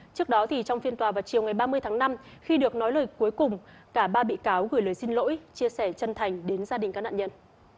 trước đó trong phiên tòa vào chiều ngày ba mươi tháng năm khi được nói lời cuối cùng cả ba bị cáo gửi lời xin lỗi chia sẻ chân thành đến gia đình các nạn nhân